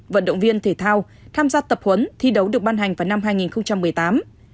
vận động viên thể thao tham gia tập huấn thi đấu được ban hành vào năm hai nghìn một mươi tám